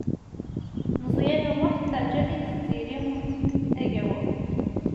Meẓyan U Muḥ tettaɛǧab-it Tiziri Tagawawt.